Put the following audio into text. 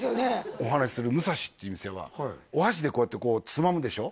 お話しするムサシっていう店はお箸でこうやってこうつまむでしょ？